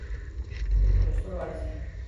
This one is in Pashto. په لوستلو ارزي.